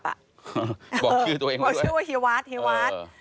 บอกชื่อตัวเองมาด้วยบอกชื่อว่าเฮียวัสเฮียวัส